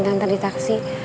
tante di taksi